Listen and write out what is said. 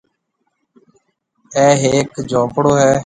اَي هيََڪ جھونپڙو هيَ۔